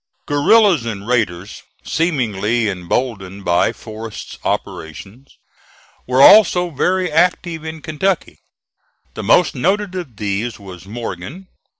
Guerillas and raiders, seemingly emboldened by Forrest's operations, were also very active in Kentucky. The most noted of these was Morgan.